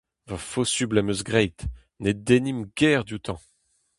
Va fosupl am eus graet ; ne dennimp ger dioutañ.